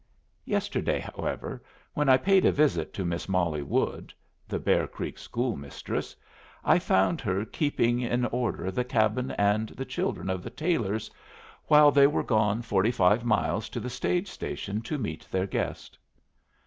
Yesterday, however, when I paid a visit to Miss Molly Wood (the Bear Creek schoolmistress), I found her keeping in order the cabin and the children of the Taylors, while they were gone forty five miles to the stage station to meet their guest.